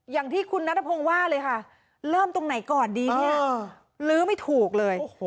อย่างที่คุณนัทพงศ์ว่าเลยค่ะเริ่มตรงไหนก่อนดีเนี่ยลื้อไม่ถูกเลย